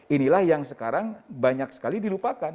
inilah yang sekarang banyak sekali dilupakan